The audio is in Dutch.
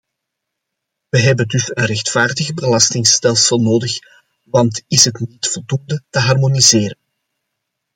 We hebben dus een rechtvaardiger belastingstelsel nodig, want is het niet voldoende te harmoniseren.